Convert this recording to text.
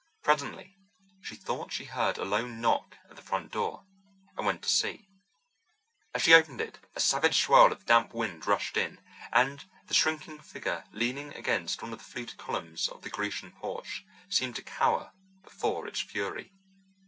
Presently she thought she heard a low knock at the front door, and went to see. As she opened it a savage swirl of damp wind rushed in, and the shrinking figure leaning against one of the fluted columns of the Grecian porch seemed to cower before its fury.